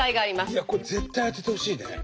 これ絶対当ててほしいね。